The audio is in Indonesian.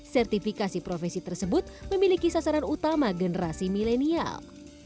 sertifikasi profesi tersebut memiliki sasaran utama generasi milenial